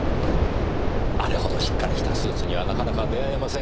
あれほどしっかりしたスーツにはなかなか出会えませんからねえ。